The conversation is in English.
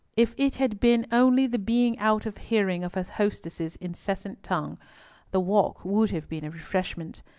If it had been only the being out of hearing of her hostess's incessant tongue, the walk would have been a refreshment.